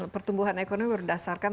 pertumbuhan ekonomi berdasarkan